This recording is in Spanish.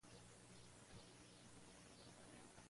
Fue propuesto por Jenny en "Austral.